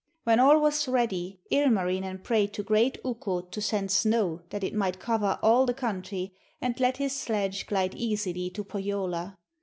When all was ready Ilmarinen prayed to great Ukko to send snow that it might cover all the country and let his sledge glide easily to Pohjola.